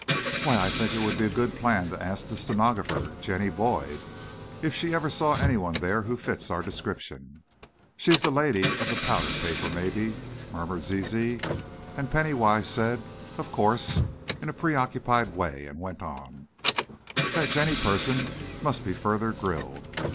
"Why, I think it will be a good plan to ask the stenographer, Jenny Boyd, if she ever saw anyone there who fits our description." "She's the lady of the powder paper, maybe," murmured Zizi, and Penny Wise said, "Of course," in a preoccupied way, and went on: "That Jenny person must be further grilled.